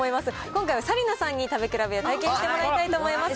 今回は紗理奈さんに食べ比べを体験してもらいたいと思います。